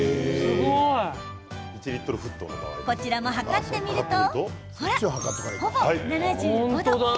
こちらも測ってみるとほら、ほぼ７５度。